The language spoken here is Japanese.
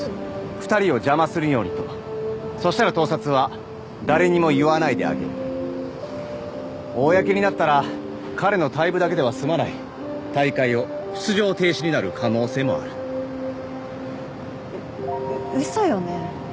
２人を邪魔するようにとそしたら盗撮は誰にも言わないであげる公になったら彼の退部だけでは済まない大会を出場停止になる可能性もあるうウソよね？